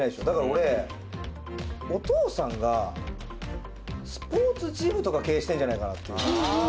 俺、お父さんがスポーツジムとか経営してんじゃないかなという。